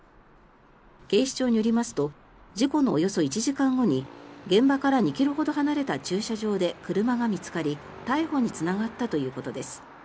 警視庁によりますと事故のおよそ１時間後に現場から２ｋｍほど離れた駐車場で車が見つかり逮捕につながったということです。